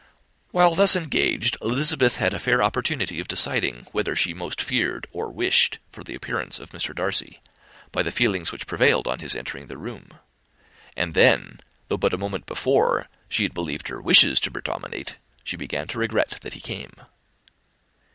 While thus engaged, Elizabeth had a fair opportunity of deciding whether she most feared or wished for the appearance of Mr. Darcy, by the feelings which prevailed on his entering the room; and then, though but a moment before she had believed her wishes to predominate, she began to regret that he came.